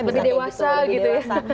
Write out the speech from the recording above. lebih dewasa gitu ya